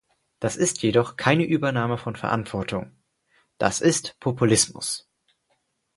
Das ist jedoch keine Übernahme von Verantwortung; das ist Populismus.